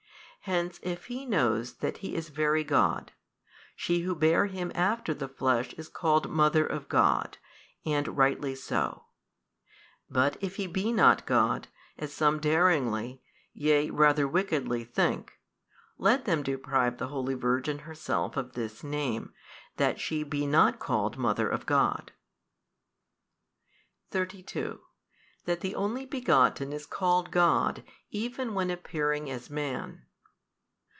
Hence if He knows that He is Very God, she who bare Him after the flesh is called Mother of God, and rightly so: but if He be not God, as some daringly, yea rather wickedly, think: let them deprive the holy Virgin herself of this name, that she be not called Mother of God. 32. That the Only Begotten is called God even when appearing as Man.